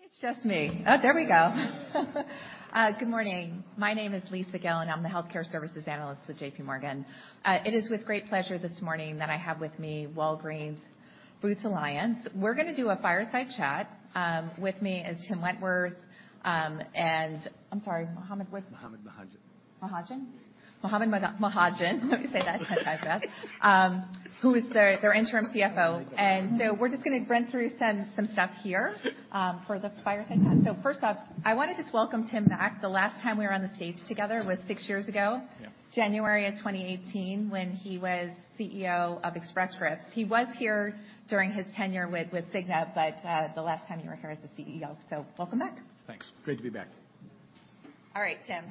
Maybe it's just me. Oh, there we go. Good morning. My name is Lisa Gill, and I'm the Healthcare Services Analyst with J.P. Morgan. It is with great pleasure this morning that I have with me Walgreens Boots Alliance. We're gonna do a fireside chat. With me is Tim Wentworth. And I'm sorry, Manmohan what? Manmohan Mahajan. Mahajan? Manmohan Mahajan. Let me say that ten times fast. Who is their interim CFO. And so we're just gonna run through some stuff here, for the fireside chat. So first off, I wanna just welcome Tim back. The last time we were on the stage together was six years ago- Yeah. January 2018, when he was CEO of Express Scripts. He was here during his tenure with Cigna, but the last time you were here as a CEO, so welcome back. Thanks. Great to be back. All right, Tim.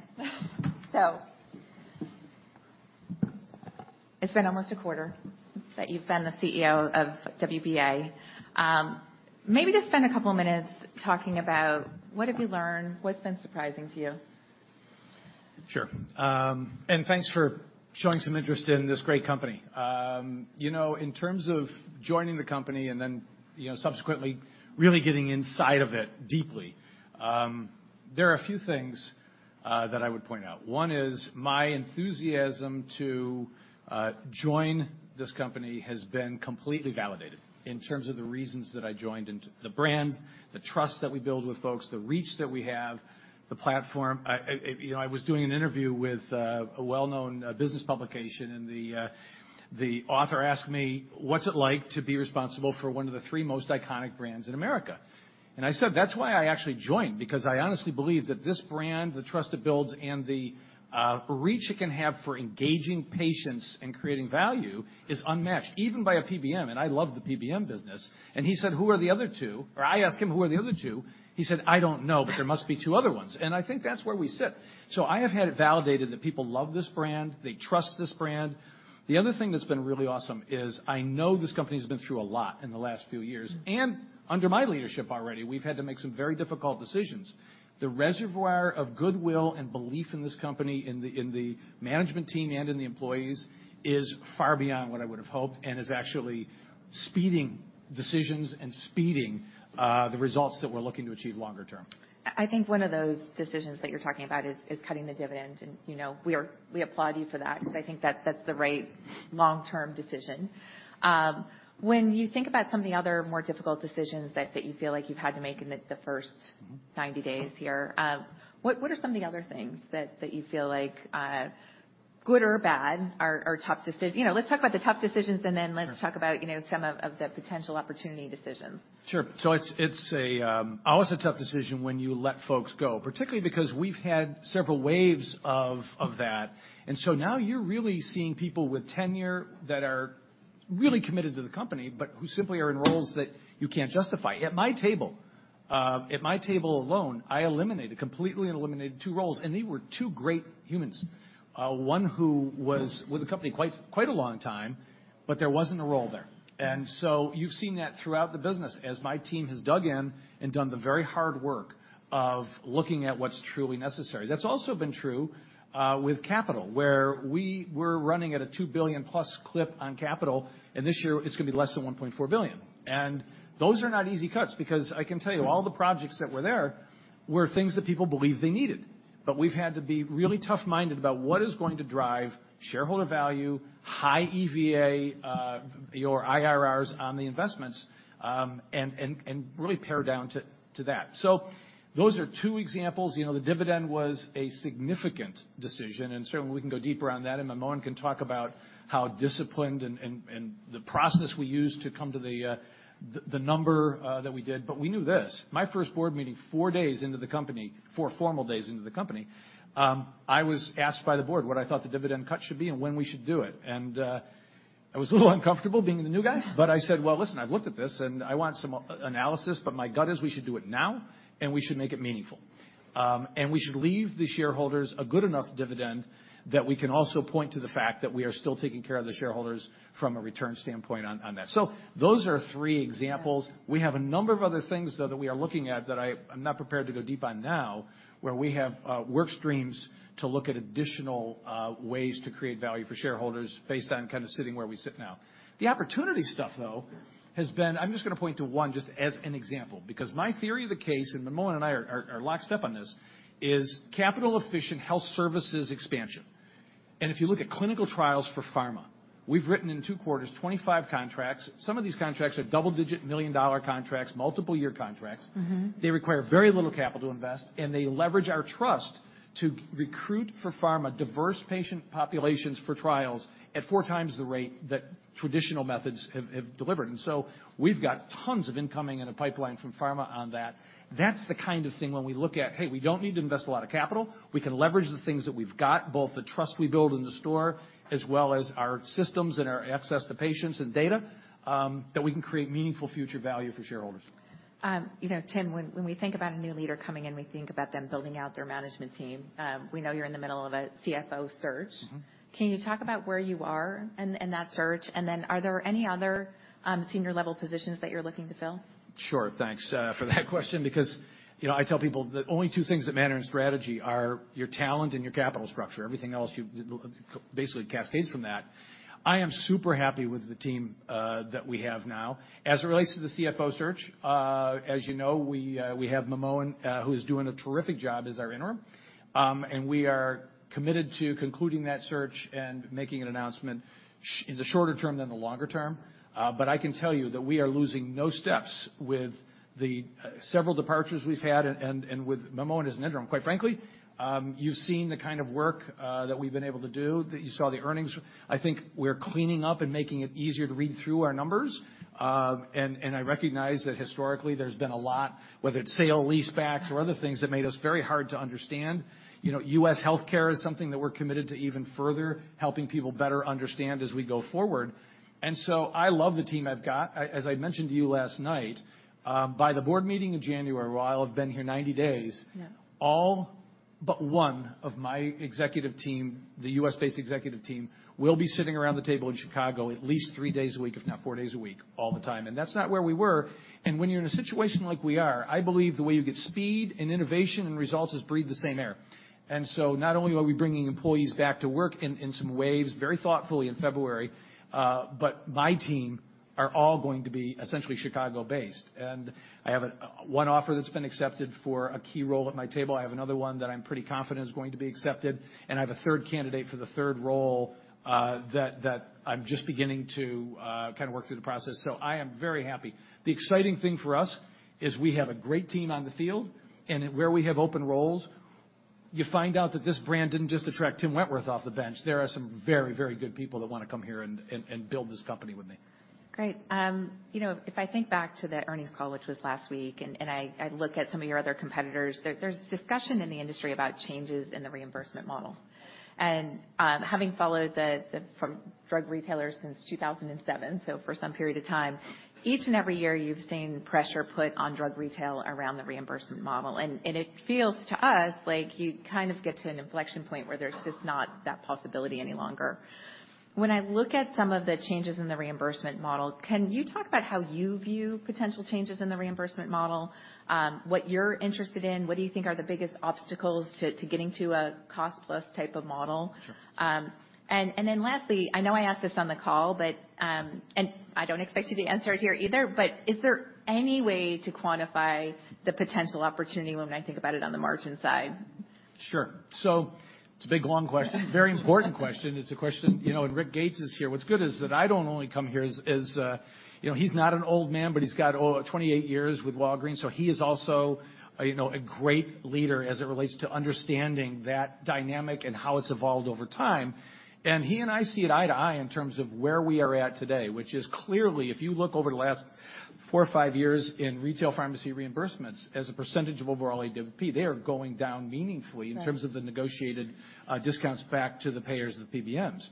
So it's been almost a quarter that you've been the CEO of WBA. Maybe just spend a couple minutes talking about what have you learned, what's been surprising to you? Sure. Thanks for showing some interest in this great company. You know, in terms of joining the company and then, you know, subsequently really getting inside of it deeply, there are a few things that I would point out. One is my enthusiasm to join this company has been completely validated in terms of the reasons that I joined, and the brand, the trust that we build with folks, the reach that we have, the platform. I, you know, I was doing an interview with a well-known business publication, and the author asked me, "What's it like to be responsible for one of the three most iconic brands in America?" And I said: "That's why I actually joined, because I honestly believe that this brand, the trust it builds, and the reach it can have for engaging patients and creating value is unmatched, even by a PBM, and I love the PBM business." And he said, "Who are the other two?" Or I asked him, "Who are the other two?" He said, "I don't know, but there must be two other ones." And I think that's where we sit. So I have had it validated that people love this brand, they trust this brand. The other thing that's been really awesome is I know this company's been through a lot in the last few years, and under my leadership already, we've had to make some very difficult decisions. The reservoir of goodwill and belief in this company, in the, in the management team and in the employees, is far beyond what I would have hoped and is actually speeding decisions and speeding the results that we're looking to achieve longer term. I think one of those decisions that you're talking about is cutting the dividend. You know, we applaud you for that because I think that's the right long-term decision. When you think about some of the other more difficult decisions that you feel like you've had to make in the first 90 days here, what are some of the other things that you feel like, good or bad, are tough decisions? You know, let's talk about the tough decisions, and then let's- Sure. talk about, you know, some of, of the potential opportunity decisions. Sure. So it's always a tough decision when you let folks go, particularly because we've had several waves of that. So now you're really seeing people with tenure that are really committed to the company, but who simply are in roles that you can't justify. At my table alone, I completely eliminated two roles, and they were two great humans. One who was with the company quite a long time, but there wasn't a role there. So you've seen that throughout the business as my team has dug in and done the very hard work of looking at what's truly necessary. That's also been true with capital, where we were running at a $2 billion+ clip on capital, and this year it's gonna be less than $1.4 billion. Those are not easy cuts because I can tell you, all the projects that were there were things that people believed they needed. But we've had to be really tough-minded about what is going to drive shareholder value, high EVA, your IRRs on the investments, and really pare down to that. So those are two examples. You know, the dividend was a significant decision, and certainly we can go deeper on that, and Manmohan can talk about how disciplined and the process we use to come to the number that we did. But we knew this: my first board meeting, four days into the company, four formal days into the company, I was asked by the board what I thought the dividend cut should be and when we should do it. And, I was a little uncomfortable being the new guy, but I said: "Well, listen, I've looked at this, and I want some analysis, but my gut is we should do it now, and we should make it meaningful. And we should leave the shareholders a good enough dividend that we can also point to the fact that we are still taking care of the shareholders from a return standpoint on, on that." So those are three examples. We have a number of other things, though, that we are looking at that I'm not prepared to go deep on now, where we have work streams to look at additional ways to create value for shareholders based on kind of sitting where we sit now. The opportunity stuff, though, has been... I'm just gonna point to one just as an example, because my theory of the case, and Manmohan and I are locked up on this, is capital efficient health services expansion. If you look at clinical trials for pharma, we've written in two quarters, 25 contracts. Some of these contracts are double-digit, million-dollar contracts, multiple year contracts. Mm-hmm. They require very little capital to invest, and they leverage our trust to recruit for pharma, diverse patient populations for trials at four times the rate that traditional methods have delivered. And so we've got tons of incoming in a pipeline from pharma on that. That's the kind of thing when we look at, hey, we don't need to invest a lot of capital. We can leverage the things that we've got, both the trust we build in the store, as well as our systems and our access to patients and data, that we can create meaningful future value for shareholders. You know, Tim, when we think about a new leader coming in, we think about them building out their management team. We know you're in the middle of a CFO search. Mm-hmm. Can you talk about where you are in that search? And then are there any other senior level positions that you're looking to fill? Sure. Thanks for that question, because, you know, I tell people the only two things that matter in strategy are your talent and your capital structure. Everything else basically cascades from that. I am super happy with the team that we have now. As it relates to the CFO search, as you know, we have Manmohan, who is doing a terrific job as our interim. And we are committed to concluding that search and making an announcement in the shorter term than the longer term. But I can tell you that we are losing no steps with the several departures we've had, and with Manmohan as an interim, quite frankly, you've seen the kind of work that we've been able to do, that you saw the earnings. I think we're cleaning up and making it easier to read through our numbers. And I recognize that historically, there's been a lot, whether it's sale-leasebacks, or other things, that made us very hard to understand. You know, U.S. Healthcare is something that we're committed to even further, helping people better understand as we go forward. And so I love the team I've got. As I mentioned to you last night, by the board meeting in January, where I'll have been here 90 days- Yeah. All but one of my executive team, the U.S.-based executive team, will be sitting around the table in Chicago at least three days a week, if not four days a week, all the time, and that's not where we were. And when you're in a situation like we are, I believe the way you get speed and innovation and results is breathe the same air. And so not only are we bringing employees back to work in some waves, very thoughtfully in February, but my team are all going to be essentially Chicago-based. And I have a one offer that's been accepted for a key role at my table. I have another one that I'm pretty confident is going to be accepted, and I have a third candidate for the third role that I'm just beginning to kind of work through the process, so I am very happy. The exciting thing for us is we have a great team on the field, and where we have open roles, you find out that this brand didn't just attract Tim Wentworth off the bench. There are some very, very good people that wanna come here and build this company with me. Great. You know, if I think back to the earnings call, which was last week, and I look at some of your other competitors, there's discussion in the industry about changes in the reimbursement model. Having followed the drug retailers since 2007, so for some period of time, each and every year, you've seen pressure put on drug retail around the reimbursement model, and it feels to us like you kind of get to an inflection point where there's just not that possibility any longer. When I look at some of the changes in the reimbursement model, can you talk about how you view potential changes in the reimbursement model? What you're interested in, what do you think are the biggest obstacles to getting to a cost-plus type of model? Sure. And then lastly, I know I asked this on the call, but, and I don't expect you to answer it here either, but is there any way to quantify the potential opportunity when I think about it on the margin side? Sure. So it's a big, long question. Very important question. It's a question, you know, and Rick Gates is here. What's good is that I don't only come here as, as, you know, he's not an old man, but he's got 28 years with Walgreens, so he is also, you know, a great leader as it relates to understanding that dynamic and how it's evolved over time. And he and I see eye to eye in terms of where we are at today, which is clearly, if you look over the last four or five years in retail pharmacy reimbursements, as a percentage of overall AWP, they are going down meaningfully- Right. in terms of the negotiated, discounts back to the payers of the PBMs.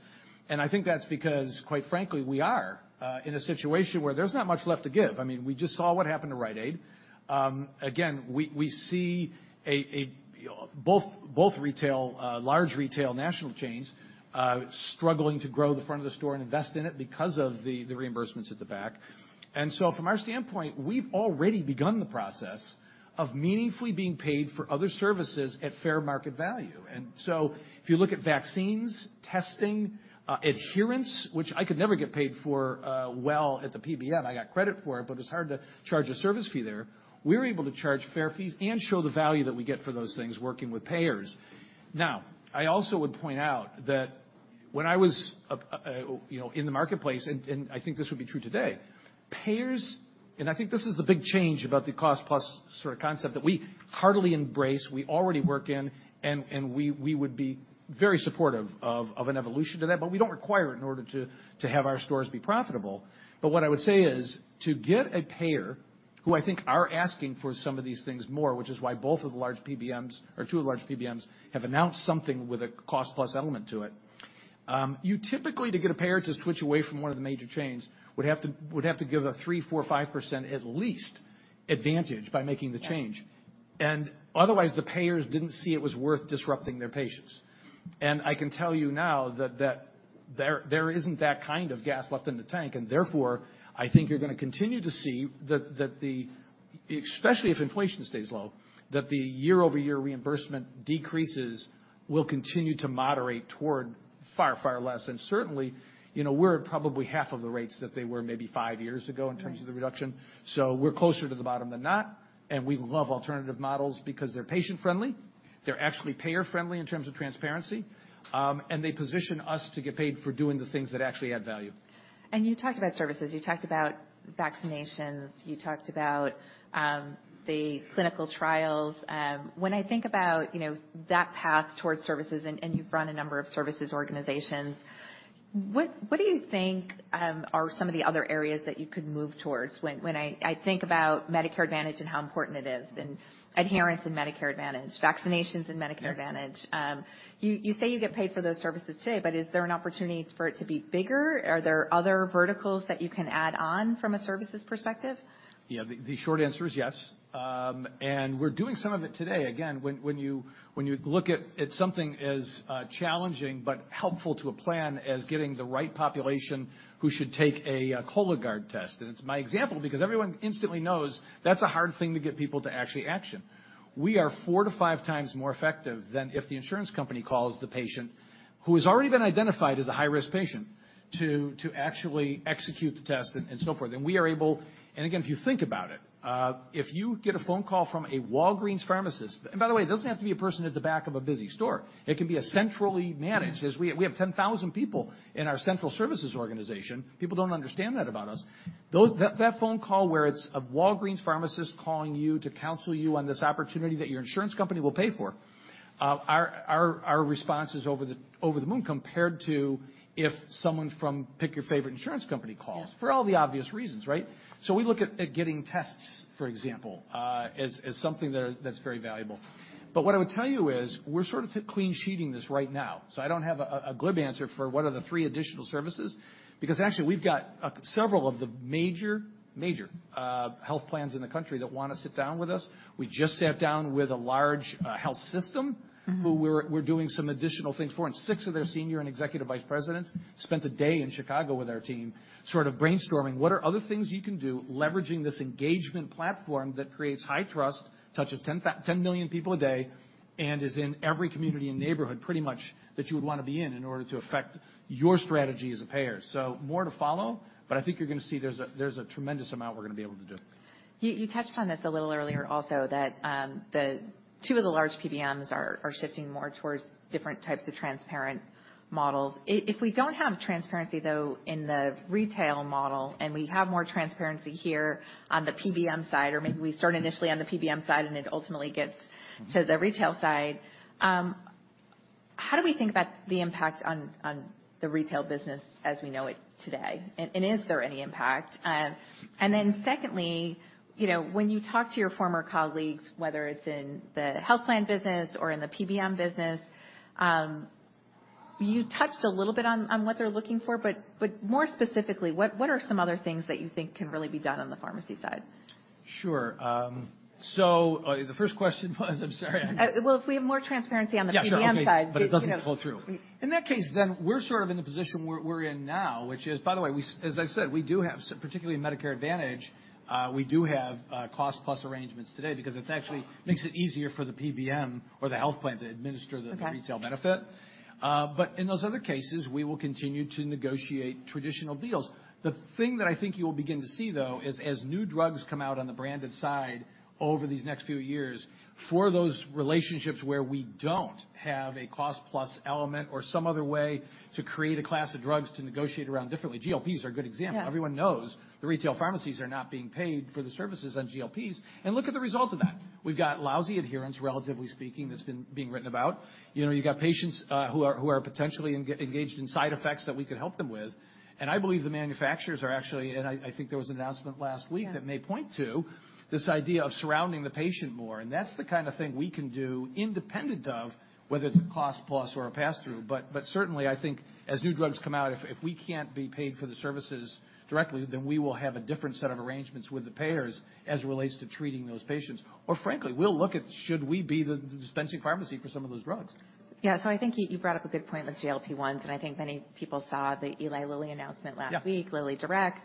And I think that's because, quite frankly, we are, in a situation where there's not much left to give. I mean, we just saw what happened to Rite Aid. Again, we see both large retail national chains, struggling to grow the front of the store and invest in it because of the, the reimbursements at the back. And so from our standpoint, we've already begun the process of meaningfully being paid for other services at fair market value. And so if you look at vaccines, testing, adherence, which I could never get paid for, well at the PBM, I got credit for it, but it's hard to charge a service fee there. We're able to charge fair fees and show the value that we get for those things working with payers. Now, I also would point out that when I was, you know, in the marketplace, and I think this would be true today. Payers, and I think this is the big change about the cost-plus sort of concept, that we heartily embrace. We already work in, and we would be very supportive of an evolution to that, but we don't require it in order to have our stores be profitable. But what I would say is, to get a payer, who I think are asking for some of these things more, which is why both of the large PBMs or two of the large PBMs have announced something with a cost-plus element to it. You typically, to get a payer to switch away from one of the major chains, would have to, would have to give a 3, 4, 5% at least advantage by making the change. Yeah. And otherwise, the payers didn't see it was worth disrupting their patients. And I can tell you now that there isn't that kind of gas left in the tank, and therefore, I think you're gonna continue to see that the... Especially if inflation stays low, that the year-over-year reimbursement decreases will continue to moderate toward far, far less. And certainly, you know, we're at probably half of the rates that they were maybe five years ago. Right. In terms of the reduction. So we're closer to the bottom than not, and we love alternative models because they're patient-friendly, they're actually payer-friendly in terms of transparency, and they position us to get paid for doing the things that actually add value. You talked about services, you talked about vaccinations, you talked about the clinical trials. When I think about, you know, that path towards services, and you've run a number of services organizations, what do you think are some of the other areas that you could move towards? When I think about Medicare Advantage and how important it is, and adherence in Medicare Advantage, vaccinations in Medicare Advantage. Yeah. You say you get paid for those services today, but is there an opportunity for it to be bigger? Are there other verticals that you can add on from a services perspective? Yeah, the short answer is yes. And we're doing some of it today. Again, when you look at something as challenging but helpful to a plan as getting the right population who should take a Cologuard test, and it's my example, because everyone instantly knows that's a hard thing to get people to actually action. We are 4x-5xmore effective than if the insurance company calls the patient, who has already been identified as a high-risk patient, to actually execute the test and so forth. And we are able. And again, if you think about it, if you get a phone call from a Walgreens pharmacist. And by the way, it doesn't have to be a person at the back of a busy store. It can be a centrally managed. Mm-hmm. As we have 10,000 people in our central services organization. People don't understand that about us. That phone call, where it's a Walgreens pharmacist calling you to counsel you on this opportunity that your insurance company will pay for, our response is over the moon, compared to if someone from, pick your favorite insurance company, calls- Yeah. —for all the obvious reasons, right? So we look at getting tests, for example, as something that's very valuable. But what I would tell you is, we're sort of clean sheeting this right now, so I don't have a glib answer for what are the three additional services, because actually, we've got several of the major health plans in the country that wanna sit down with us. We just sat down with a large health system— Mm-hmm. who we're, we're doing some additional things for, and six of their senior and executive vice presidents spent a day in Chicago with our team, sort of brainstorming what are other things you can do, leveraging this engagement platform that creates high trust, touches 10 million people a day, and is in every community and neighborhood, pretty much, that you would wanna be in, in order to affect your strategy as a payer? So more to follow, but I think you're gonna see there's a tremendous amount we're gonna be able to do. You touched on this a little earlier also, that the two of the large PBMs are shifting more towards different types of transparent models. If we don't have transparency, though, in the retail model, and we have more transparency here on the PBM side, or maybe we start initially on the PBM side, and it ultimately gets to the retail side, how do we think about the impact on the retail business as we know it today? And is there any impact? And then secondly, you know, when you talk to your former colleagues, whether it's in the health plan business or in the PBM business, you touched a little bit on what they're looking for, but more specifically, what are some other things that you think can really be done on the pharmacy side? Sure. So, the first question was? I'm sorry. Well, if we have more transparency on the PBM side- Yeah, sure, okay. But, you know- It doesn't flow through. In that case, then we're sort of in the position we're in now, which is, by the way, as I said, we do have some... Particularly in Medicare Advantage, we do have cost plus arrangements today because it's actually makes it easier for the PBM or the health plan to administer the- Okay... retail benefit. But in those other cases, we will continue to negotiate traditional deals. The thing that I think you will begin to see, though, is as new drugs come out on the branded side over these next few years, for those relationships where we don't have a cost plus element or some other way to create a class of drugs to negotiate around differently... GLPs are a good example. Yeah. Everyone knows the retail pharmacies are not being paid for the services on GLPs, and look at the result of that. We've got lousy adherence, relatively speaking, that's been being written about. You know, you've got patients who are potentially engaged in side effects that we could help them with. And I believe the manufacturers are actually... And I, I think there was an announcement last week- Yeah... that may point to this idea of surrounding the patient more, and that's the kind of thing we can do independent of whether it's a cost plus or a pass-through. But certainly, I think as new drugs come out, if we can't be paid for the services directly, then we will have a different set of arrangements with the payers as it relates to treating those patients. Or frankly, we'll look at should we be the dispensing pharmacy for some of those drugs. Yeah, so I think you brought up a good point with GLP-1s, and I think many people saw the Eli Lilly announcement last week. Yeah... LillyDirect.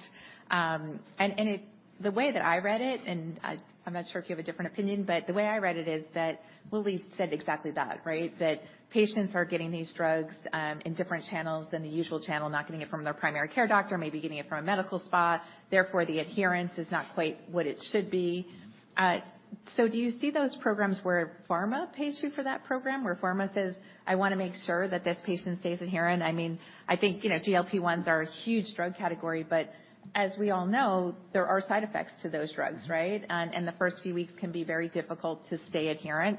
And the way that I read it, and I, I'm not sure if you have a different opinion, but the way I read it is that Lilly said exactly that, right? That patients are getting these drugs in different channels than the usual channel, not getting it from their primary care doctor, maybe getting it from a medical spa. Therefore, the adherence is not quite what it should be. Mm-hmm. So, do you see those programs where pharma pays you for that program? Where pharma says: I wanna make sure that this patient stays adherent. I mean, I think, you know, GLP-1s are a huge drug category, but as we all know, there are side effects to those drugs, right? Mm-hmm. And the first few weeks can be very difficult to stay adherent,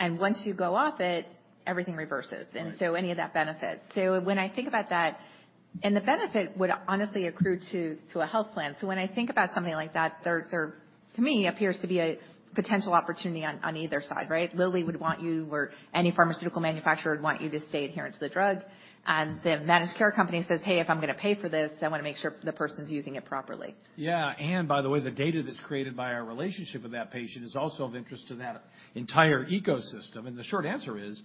and once you go off it, everything reverses. Right. Any of that benefit. So when I think about that, and the benefit would honestly accrue to a health plan. So when I think about something like that, there to me appears to be a potential opportunity on either side, right? Lilly would want you or any pharmaceutical manufacturer would want you to stay adherent to the drug, and the managed care company says: Hey, if I'm gonna pay for this, I wanna make sure the person's using it properly. Yeah, and by the way, the data that's created by our relationship with that patient is also of interest to that entire ecosystem. And the short answer is: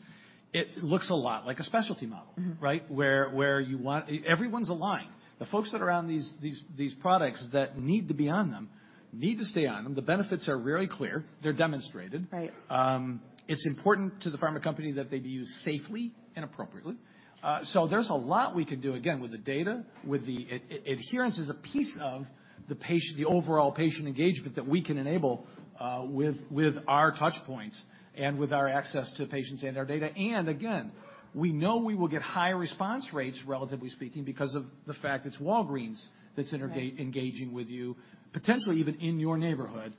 It looks a lot like a specialty model. Mm-hmm. Right? Where you want... Everyone's aligned. The folks that are on these products that need to be on them need to stay on them. The benefits are very clear. They're demonstrated. Right. It's important to the pharma company that they be used safely and appropriately. So there's a lot we can do, again, with the data, with the adherence is a piece of the patient, the overall patient engagement that we can enable, with our touchpoints and with our access to patients and their data. And again, we know we will get higher response rates, relatively speaking, because of the fact it's Walgreens that's - Right... engaging with you, potentially even in your neighborhood.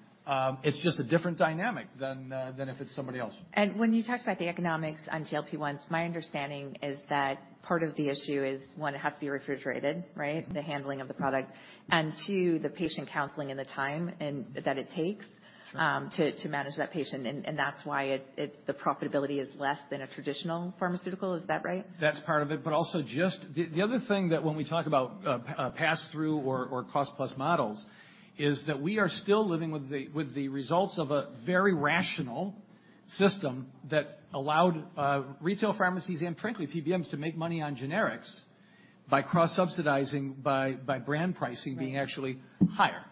It's just a different dynamic than if it's somebody else. When you talked about the economics on GLP-1s, my understanding is that part of the issue is, one, it has to be refrigerated, right? Mm-hmm. The handling of the product, and two, the patient counseling and the time and that it takes- Sure... to manage that patient, and that's why the profitability is less than a traditional pharmaceutical. Is that right? That's part of it, but also just... The other thing that when we talk about pass-through or cost plus models, is that we are still living with the results of a very rational system that allowed retail pharmacies and frankly, PBMs, to make money on generics by cross-subsidizing by brand pricing- Right... being actually higher.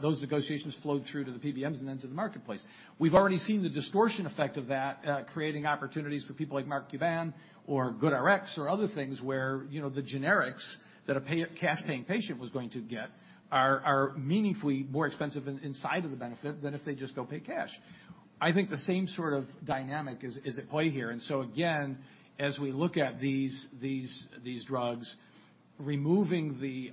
Those negotiations flowed through to the PBMs and then to the marketplace. We've already seen the distortion effect of that, creating opportunities for people like Mark Cuban or GoodRx or other things where, you know, the generics that a cash-paying patient was going to get are meaningfully more expensive inside of the benefit than if they just go pay cash. I think the same sort of dynamic is at play here. And so again, as we look at these drugs... removing the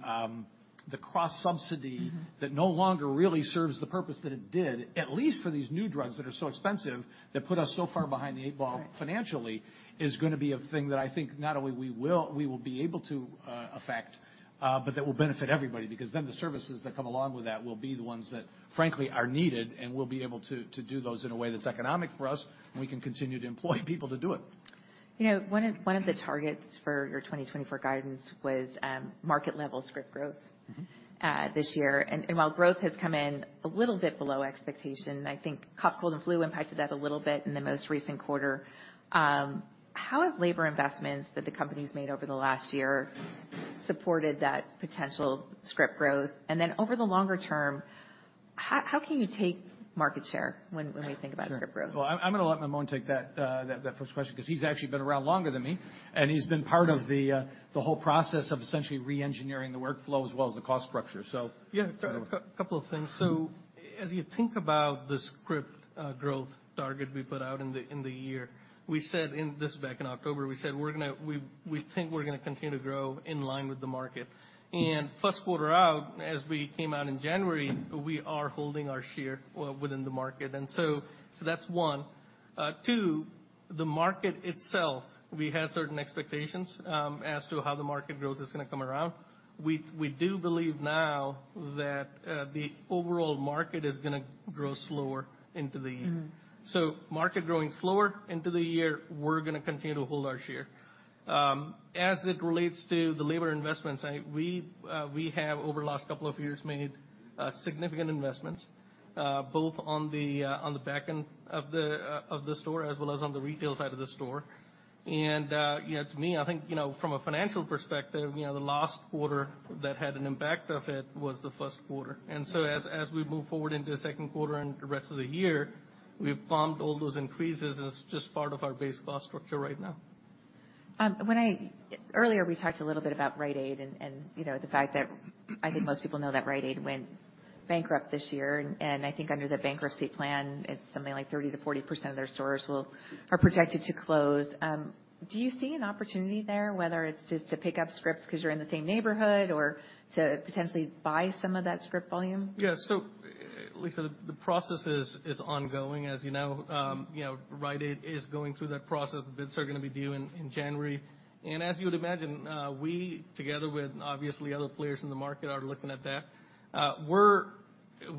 cross-subsidy- Mm-hmm. that no longer really serves the purpose that it did, at least for these new drugs that are so expensive, that put us so far behind the eight ball Right... financially, is gonna be a thing that I think not only we will, we will be able to, affect, but that will benefit everybody. Because then the services that come along with that will be the ones that, frankly, are needed, and we'll be able to do those in a way that's economic for us, and we can continue to employ people to do it. You know, one of the targets for your 2024 guidance was market-level script growth- Mm-hmm This year. And while growth has come in a little bit below expectation, I think cough, cold and flu impacted that a little bit in the most recent quarter. How have labor investments that the company's made over the last year supported that potential script growth? And then over the longer term, how can you take market share when we think about script growth? Sure. Well, I'm gonna let Manmohan take that first question, 'cause he's actually been around longer than me, and he's been part of the whole process of essentially re-engineering the workflow as well as the cost structure, so- Yeah. A couple of things. So as you think about the script growth target we put out in the year, we said... This was back in October, we said we think we're gonna continue to grow in line with the market. Mm-hmm. First quarter out, as we came out in January, we are holding our share within the market, and so that's one. Two, the market itself, we had certain expectations as to how the market growth is gonna come around. We do believe now that the overall market is gonna grow slower into the year. Mm-hmm. So market growing slower into the year, we're gonna continue to hold our share. As it relates to the labor investments, we have, over the last couple of years, made significant investments both on the back end of the store as well as on the retail side of the store. And you know, to me, I think, you know, from a financial perspective, you know, the last quarter that had an impact of it was the first quarter. Mm-hmm. As we move forward into the second quarter and the rest of the year, we've baked all those increases into just part of our base cost structure right now. Earlier, we talked a little bit about Rite Aid and, you know, the fact that, I think most people know that Rite Aid went bankrupt this year, and I think under the bankruptcy plan, it's something like 30%-40% of their stores are projected to close. Do you see an opportunity there, whether it's just to pick up scripts because you're in the same neighborhood, or to potentially buy some of that script volume? Yeah. So, Lisa, the process is ongoing, as you know. You know, Rite Aid is going through that process. The bids are gonna be due in January. And as you would imagine, we, together with, obviously, other players in the market, are looking at that.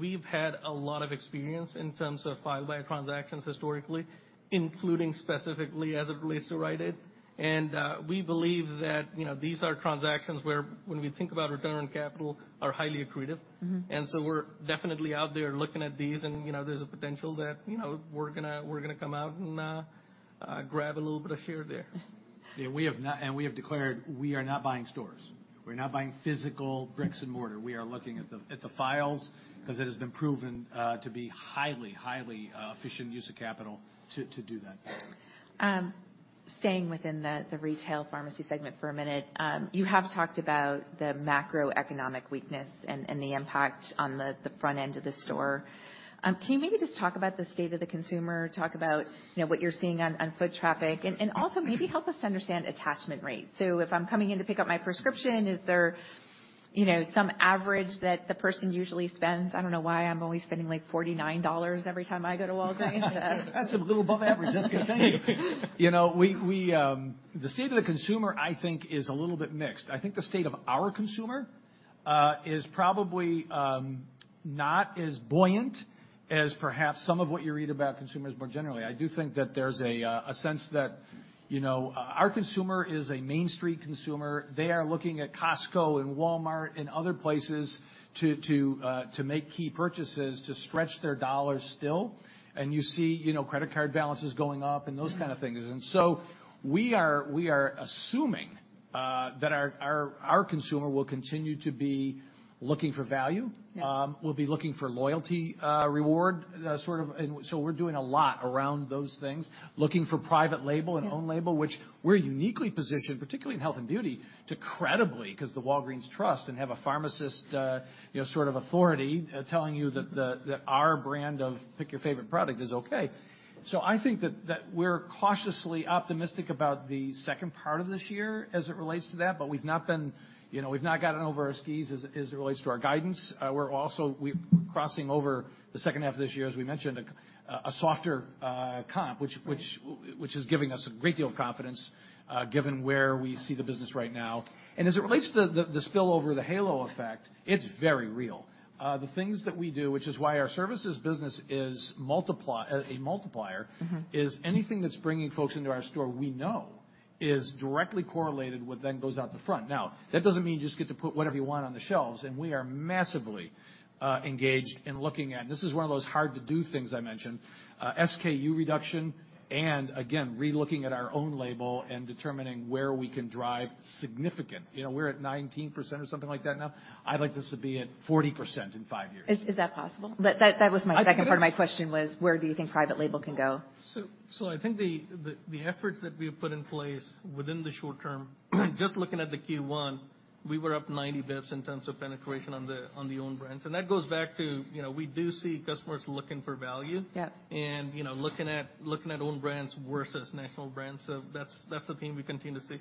We've had a lot of experience in terms of file buyer transactions historically, including specifically as it relates to Rite Aid. And we believe that, you know, these are transactions where when we think about return on capital, are highly accretive. Mm-hmm. And so we're definitely out there looking at these, and, you know, there's a potential that, you know, we're gonna come out and grab a little bit of share there. Yeah, we have not and we have declared we are not buying stores. We're not buying physical bricks and mortar. Mm-hmm. We are looking at the, at the files, 'cause it has been proven to be highly efficient use of capital to, to do that. Staying within the retail pharmacy segment for a minute, you have talked about the macroeconomic weakness and the impact on the front end of the store. Can you maybe just talk about the state of the consumer, talk about, you know, what you're seeing on foot traffic, and also maybe help us understand attachment rates? So if I'm coming in to pick up my prescription, is there, you know, some average that the person usually spends? I don't know why I'm only spending, like, $49 every time I go to Walgreens. That's a little above average, that's a good thing. You know, the state of the consumer, I think, is a little bit mixed. I think the state of our consumer is probably not as buoyant as perhaps some of what you read about consumers more generally. I do think that there's a sense that, you know, our consumer is a Main Street consumer. They are looking at Costco and Walmart and other places to make key purchases, to stretch their dollars still. And you see, you know, credit card balances going up and those kind of things. Mm-hmm. And so we are assuming that our consumer will continue to be looking for value. Yeah. will be looking for loyalty, reward, sort of... And so we're doing a lot around those things, looking for private label- Yeah and own label, which we're uniquely positioned, particularly in health and beauty, to credibly, 'cause the Walgreens trust and have a pharmacist, you know, sort of authority, telling you that the our brand of pick your favorite product is okay. So I think that we're cautiously optimistic about the second part of this year as it relates to that, but we've not been, you know, we've not gotten over our skis, as it relates to our guidance. We're also crossing over the second half of this year, as we mentioned, a softer comp, which is giving us a great deal of confidence, given where we see the business right now. And as it relates to the spillover, the halo effect, it's very real. The things that we do, which is why our services business is multiply, a multiplier- Mm-hmm... is anything that's bringing folks into our store, we know is directly correlated what then goes out the front. Now, that doesn't mean you just get to put whatever you want on the shelves, and we are massively engaged in looking at this is one of those hard-to-do things I mentioned, SKU reduction, and again, relooking at our own label and determining where we can drive significant. You know, we're at 19% or something like that now? I'd like this to be at 40% in five years. Is that possible? That was my second part of my question, where do you think private label can go? So I think the efforts that we have put in place within the short term, just looking at the Q1, we were up 90 basis points in terms of penetration on the own brands. And that goes back to, you know, we do see customers looking for value. Yep. You know, looking at, looking at own brands versus national brands. So that's, that's the thing we continue to see.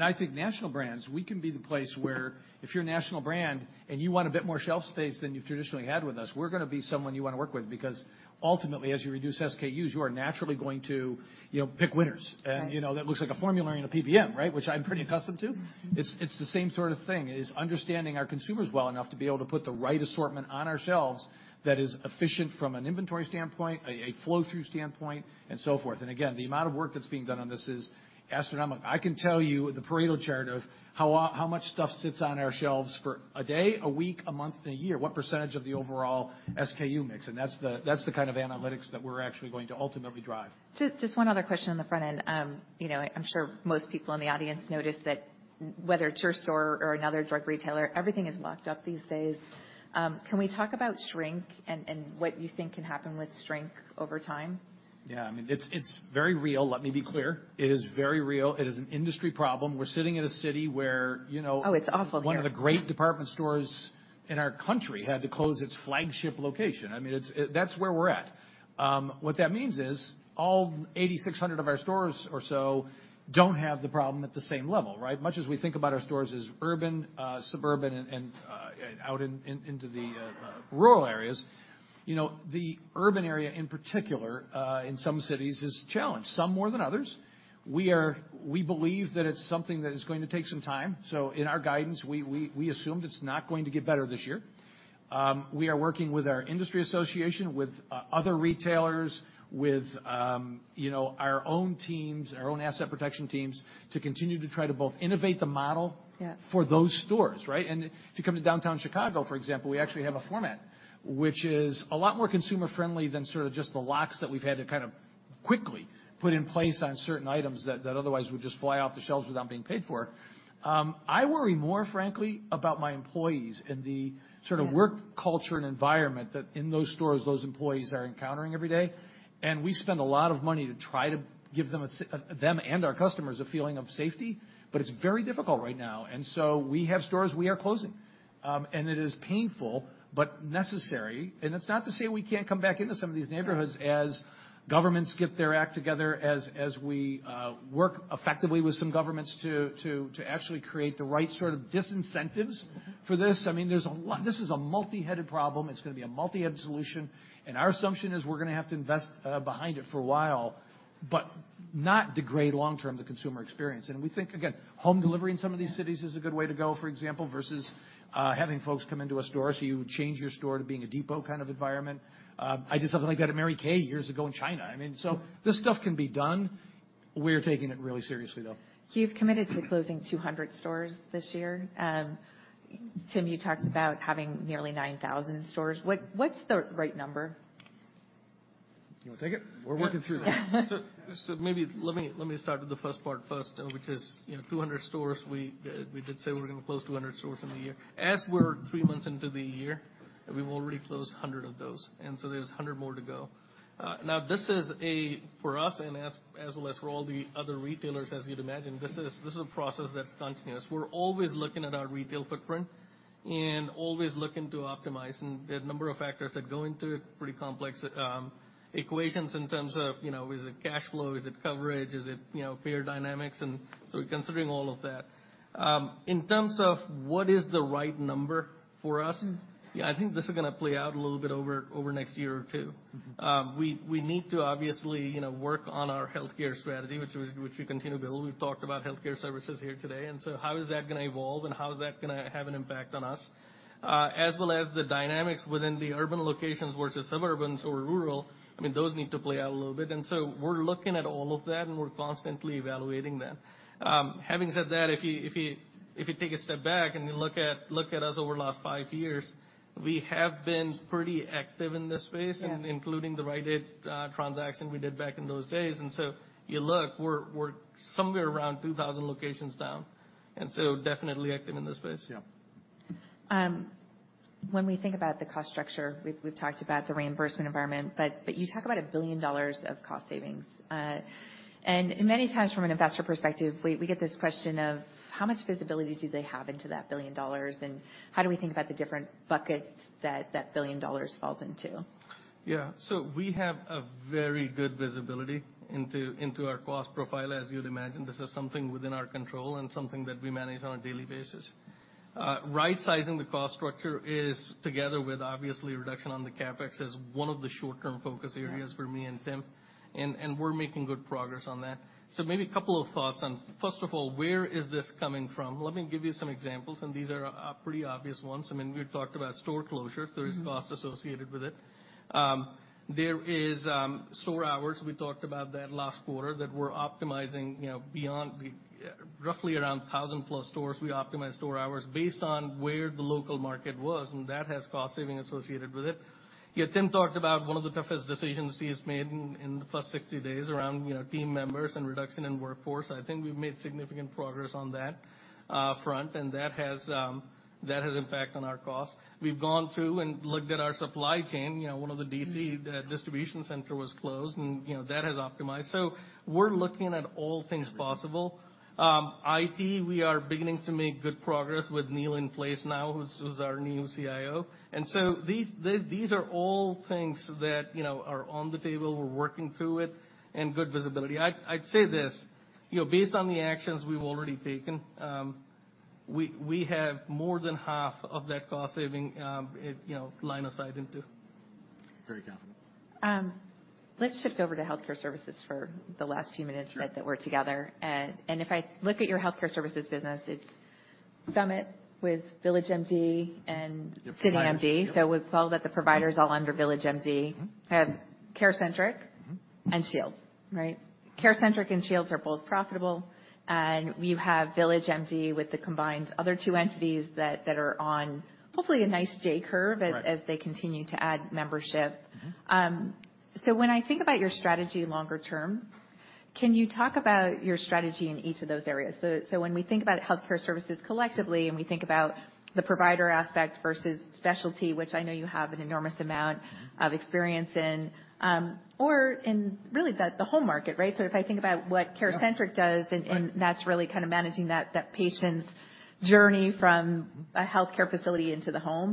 I think national brands, we can be the place where, if you're a national brand and you want a bit more shelf space than you've traditionally had with us, we're gonna be someone you want to work with, because ultimately, as you reduce SKUs, you are naturally going to, you know, pick winners. Right. You know, that looks like a formulary and a PBM, right? Which I'm pretty accustomed to. Mm-hmm. It's the same sort of thing, is understanding our consumers well enough to be able to put the right assortment on our shelves that is efficient from an inventory standpoint, a flow-through standpoint, and so forth. And again, the amount of work that's being done on this is astronomical. I can tell you the Pareto chart of how much stuff sits on our shelves for a day, a week, a month, and a year, what percentage of the overall SKU mix, and that's the kind of analytics that we're actually going to ultimately drive. Just, just one other question on the front end. You know, I'm sure most people in the audience notice that whether it's your store or another drug retailer, everything is locked up these days. Can we talk about shrink and, and what you think can happen with shrink over time? Yeah. I mean, it's, it's very real. Let me be clear. It is very real. It is an industry problem. We're sitting in a city where, you know- Oh, it's awful here. One of the great department stores in our country had to close its flagship location. I mean, it's, that's where we're at. What that means is, all 8,600 of our stores or so don't have the problem at the same level, right? Much as we think about our stores as urban, suburban, and out into the rural areas, you know, the urban area in particular in some cities is challenged, some more than others. We are. We believe that it's something that is going to take some time. So in our guidance, we assumed it's not going to get better this year. We are working with our industry association, with other retailers, with, you know, our own teams, our own asset protection teams, to continue to try to both innovate the model- Yeah. for those stores, right? And if you come to downtown Chicago, for example, we actually have a format which is a lot more consumer-friendly than sort of just the locks that we've had to kind of quickly put in place on certain items that otherwise would just fly off the shelves without being paid for. I worry more, frankly, about my employees and the- Yeah sort of work culture and environment that in those stores, those employees are encountering every day. And we spend a lot of money to try to give them and our customers a feeling of safety, but it's very difficult right now. So we have stores we are closing. It is painful but necessary, and it's not to say we can't come back into some of these neighborhoods. Yeah as governments get their act together, as we work effectively with some governments to actually create the right sort of disincentives for this. I mean, there's a lot. This is a multi-headed problem. It's gonna be a multi-headed solution, and our assumption is we're gonna have to invest behind it for a while, but not degrade long term the consumer experience. And we think, again, home delivery in some of these cities is a good way to go, for example, versus having folks come into a store, so you change your store to being a depot kind of environment. I did something like that at Mary Kay years ago in China. I mean, so this stuff can be done. We're taking it really seriously, though. You've committed to closing 200 stores this year. Tim, you talked about having nearly 9,000 stores. What's the right number? You want to take it? We're working through that. So maybe let me start with the first part first, which is, you know, 200 stores. We did say we're gonna close 200 stores in the year. As we're three months into the year, we've already closed 100 of those, and so there's 100 more to go. Now, this is a, for us, and as well as for all the other retailers, as you'd imagine, this is a process that's continuous. We're always looking at our retail footprint and always looking to optimize, and there are a number of factors that go into it, pretty complex equations in terms of, you know, is it cash flow, is it coverage, is it, you know, peer dynamics? And so we're considering all of that. In terms of what is the right number for us, I think this is gonna play out a little bit over, over the next year or two. We, we need to obviously, you know, work on our healthcare strategy, which we, which we continue to build. We've talked about healthcare services here today, and so how is that gonna evolve, and how is that gonna have an impact on us? As well as the dynamics within the urban locations versus suburban or rural. I mean, those need to play out a little bit, and so we're looking at all of that, and we're constantly evaluating that. Having said that, if you, if you, if you take a step back and you look at, look at us over the last five years, we have been pretty active in this space- Yeah -including the Rite Aid transaction we did back in those days. And so you look, we're, we're somewhere around 2,000 locations down, and so definitely active in this space. Yeah. When we think about the cost structure, we've talked about the reimbursement environment, but you talk about $1 billion of cost savings. And many times from an investor perspective, we get this question of: How much visibility do they have into that $1 billion, and how do we think about the different buckets that $1 billion falls into? Yeah. So we have a very good visibility into our cost profile. As you'd imagine, this is something within our control and something that we manage on a daily basis. Right-sizing the cost structure is, together with, obviously, reduction on the CapEx, one of the short-term focus areas for me and Tim, and we're making good progress on that. So maybe a couple of thoughts on. First of all, where is this coming from? Let me give you some examples, and these are pretty obvious ones. I mean, we've talked about store closure. Mm-hmm. There is cost associated with it. There is store hours. We talked about that last quarter, that we're optimizing, you know, beyond the roughly around 1,000+ stores. We optimize store hours based on where the local market was, and that has cost saving associated with it. Yet Tim talked about one of the toughest decisions he's made in the first 60 days around, you know, team members and reduction in workforce. I think we've made significant progress on that front, and that has impact on our cost. We've gone through and looked at our supply chain. You know, one of the DC distribution center was closed, and, you know, that has optimized. So we're looking at all things possible. IT, we are beginning to make good progress with Neal in place now, who's our new CIO. So these are all things that you know are on the table. We're working through it and good visibility. I'd say this, you know, based on the actions we've already taken, we have more than half of that cost saving, you know, line of sight into. Very confident. Let's shift over to healthcare services for the last few minutes. Sure. that we're together. And if I look at your healthcare services business, it's Summit with VillageMD and CityMD. Yes. With all that, the providers all under VillageMD. Mm-hmm. Have CareCentrix- Mm-hmm. -and Shields, right? CareCentrix and Shields are both profitable, and you have VillageMD with the combined other two entities that are on, hopefully, a nice J curve- Right -as they continue to add membership. Mm-hmm. So when I think about your strategy longer term, can you talk about your strategy in each of those areas? So when we think about healthcare services collectively, and we think about the provider aspect versus specialty, which I know you have an enormous amount- Mm-hmm. -of experience in, or in really the home market, right? So if I think about what CareCentrix does- Right. and that's really kind of managing that patient's journey from a healthcare facility into the home,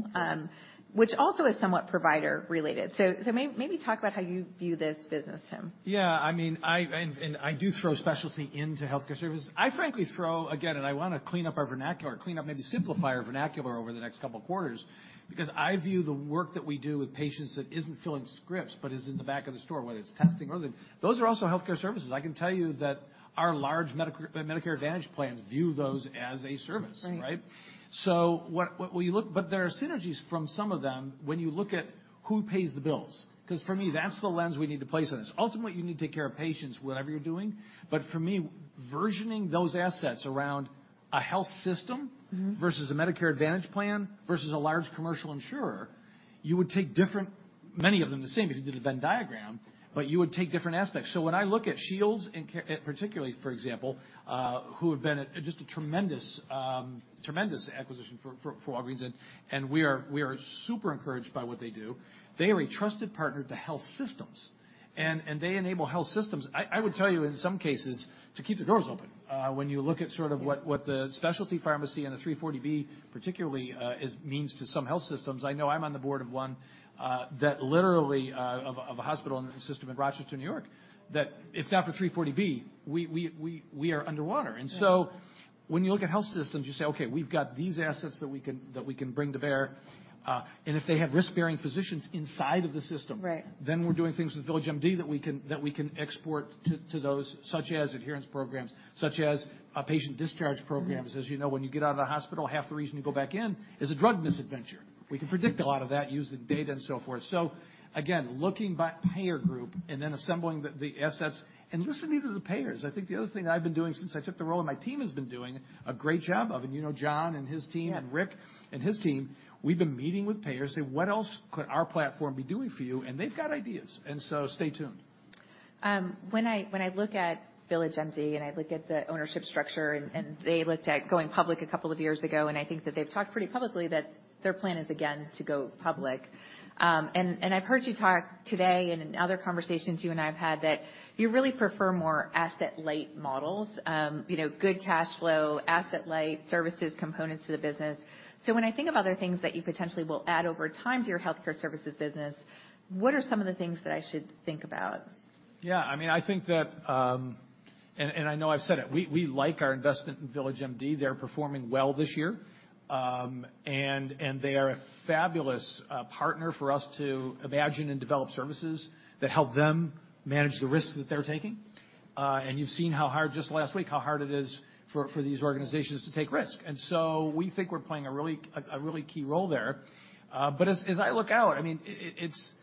which also is somewhat provider-related. So, maybe talk about how you view this business, Tim. Yeah, I mean, And I do throw specialty into healthcare services. I frankly throw again, and I wanna clean up our vernacular, clean up, maybe simplify our vernacular over the next couple of quarters, because I view the work that we do with patients that isn't filling scripts, but is in the back of the store, whether it's testing or other, those are also healthcare services. I can tell you that our large Medicare Advantage plans view those as a service. Right. Mm-hmm. So what we look at, but there are synergies from some of them when you look at who pays the bills, 'cause for me, that's the lens we need to place on this. Ultimately, you need to take care of patients, whatever you're doing. But for me, versioning those assets around a health system- Mm-hmm. -versus a Medicare Advantage plan, versus a large commercial insurer, you would take different... Many of them the same if you did a Venn diagram, but you would take different aspects. So when I look at Shields, and particularly, for example, who have been just a tremendous, tremendous acquisition for, for, for Walgreens, and, and we are, we are super encouraged by what they do. They are a trusted partner to health systems, and, and they enable health systems, I, I would tell you, in some cases, to keep the doors open. When you look at sort of what the specialty pharmacy and the 340B particularly is means to some health systems, I know I'm on the board of one that literally of a hospital system in Rochester, New York, that if not for 340B, we are underwater. Right. When you look at health systems, you say: Okay, we've got these assets that we can bring to bear, and if they have risk-bearing physicians inside of the system- Right. Then we're doing things with VillageMD that we can, that we can export to, to those, such as adherence programs, such as patient discharge programs. Mm-hmm. As you know, when you get out of the hospital, half the reason you go back in is a drug misadventure. We can predict a lot of that using data and so forth. So again, looking by payer group and then assembling the assets and listening to the payers. I think the other thing I've been doing since I took the role, and my team has been doing a great job of, and you know, John and his team- Yeah. and Rick and his team, we've been meeting with payers, saying, "What else could our platform be doing for you?" And they've got ideas, and so stay tuned. When I look at VillageMD and I look at the ownership structure, and they looked at going public a couple of years ago, and I think that they've talked pretty publicly that their plan is again to go public. And I've heard you talk today and in other conversations you and I have had that you really prefer more asset-light models. You know, good cash flow, asset light, services, components to the business. So when I think of other things that you potentially will add over time to your healthcare services business, what are some of the things that I should think about? Yeah, I mean, I think that, and I know I've said it, we like our investment in VillageMD. They're performing well this year. And they are a fabulous partner for us to imagine and develop services that help them manage the risks that they're taking. And you've seen how hard, just last week, how hard it is for these organizations to take risk. And so we think we're playing a really key role there. But as I look out, I mean, it's...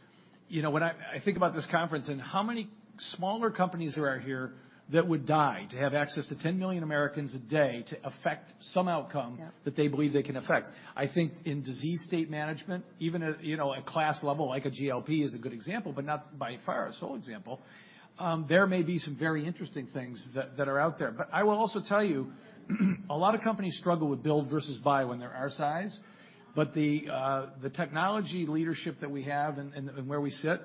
You know, when I think about this conference and how many smaller companies there are here that would die to have access to 10 million Americans a day to affect some outcome- Yeah. that they believe they can affect. I think in disease state management, even at, you know, a class level, like a GLP is a good example, but not by far a sole example, there may be some very interesting things that are out there. But I will also tell you, a lot of companies struggle with build versus buy when they're our size, but the technology leadership that we have and where we sit,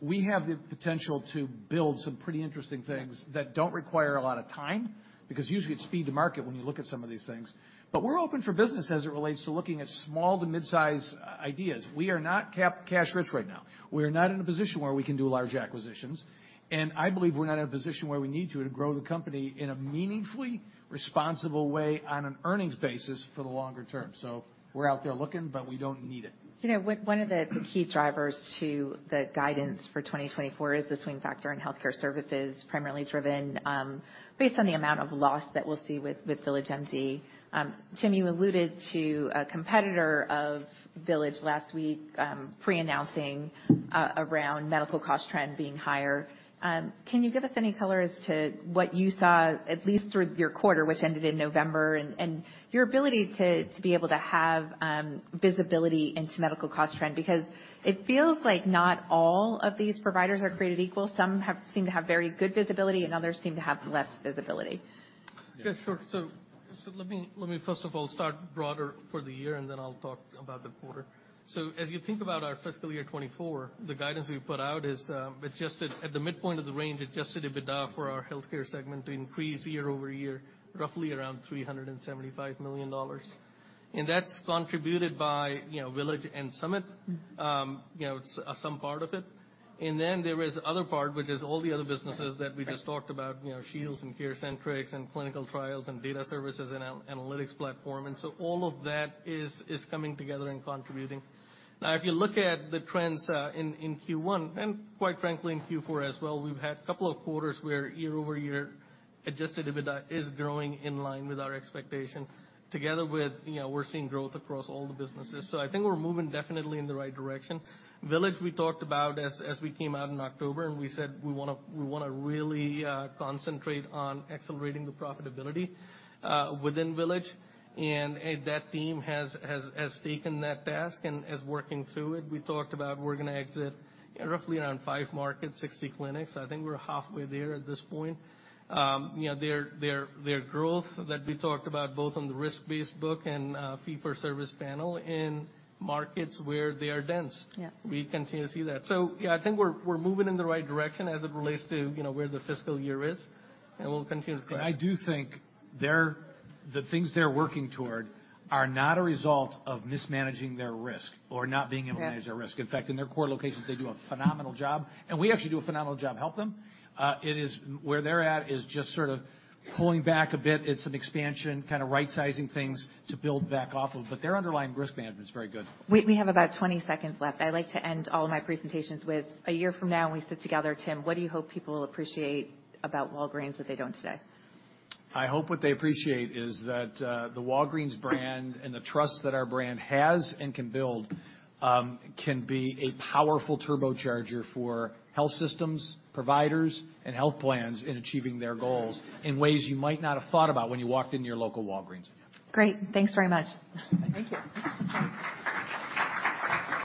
we have the potential to build some pretty interesting things that don't require a lot of time, because usually it's speed to market when you look at some of these things. But we're open for business as it relates to looking at small to mid-size ideas. We are not cash rich right now. We are not in a position where we can do large acquisitions, and I believe we're not in a position where we need to, to grow the company in a meaningfully responsible way on an earnings basis for the longer term. So we're out there looking, but we don't need it. You know, one of the key drivers to the guidance for 2024 is the swing factor in healthcare services, primarily driven based on the amount of loss that we'll see with VillageMD. Tim, you alluded to a competitor of Village last week pre-announcing around medical cost trend being higher. Can you give us any color as to what you saw, at least through your quarter, which ended in November, and your ability to be able to have visibility into medical cost trend? Because it feels like not all of these providers are created equal. Some seem to have very good visibility, and others seem to have less visibility. Yeah, sure. So, let me, first of all, start broader for the year, and then I'll talk about the quarter. So as you think about our fiscal year 2024, the guidance we put out is, adjusted at the midpoint of the range, adjusted EBITDA for our healthcare segment to increase year-over-year, roughly around $375 million. And that's contributed by, you know, Village and Summit. You know, some part of it. And then there is other part, which is all the other businesses that we just talked about, you know, Shields and CareCentrix, and clinical trials, and data services, and an analytics platform. And so all of that is coming together and contributing. Now, if you look at the trends, in Q1, and quite frankly, in Q4 as well, we've had a couple of quarters where year-over-year, adjusted EBITDA is growing in line with our expectation, together with, you know, we're seeing growth across all the businesses. So I think we're moving definitely in the right direction. Village, we talked about as we came out in October, and we said we wanna really concentrate on accelerating the profitability within Village, and that team has taken that task and is working through it. We talked about we're gonna exit roughly around 5 markets, 60 clinics. I think we're halfway there at this point. You know, their growth that we talked about, both on the risk-based book and fee-for-service panel in markets where they are dense- Yeah. We continue to see that. So yeah, I think we're moving in the right direction as it relates to, you know, where the fiscal year is, and we'll continue to- I do think the things they're working toward are not a result of mismanaging their risk or not being able to manage their risk. Yeah. In fact, in their core locations, they do a phenomenal job, and we actually do a phenomenal job help them. It is where they're at is just sort of pulling back a bit. It's an expansion, kind of right-sizing things to build back off of, but their underlying risk management is very good. We have about 20 seconds left. I like to end all of my presentations with: a year from now, when we sit together, Tim, what do you hope people will appreciate about Walgreens that they don't today? I hope what they appreciate is that, the Walgreens brand and the trust that our brand has and can build, can be a powerful turbocharger for health systems, providers, and health plans in achieving their goals in ways you might not have thought about when you walked into your local Walgreens. Great. Thanks very much. Thank you.